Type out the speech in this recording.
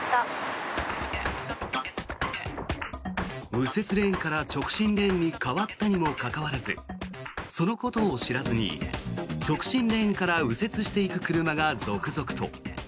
右折レーンから直進レーンに変わったにもかかわらずそのことを知らずに直進レーンから右折していく車が続々と。